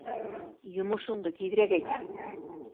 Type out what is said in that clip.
Йомошоңдо тиҙерәк әйт.